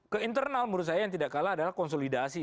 ke internal menurut saya yang tidak kalah adalah konsolidasi